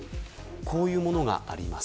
こういうものがあります。